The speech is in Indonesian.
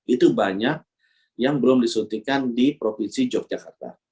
itu banyak yang belum disuntikan di provinsi yogyakarta